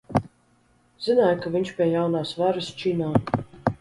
Zināju, ka viņš pie jaunās varas činā.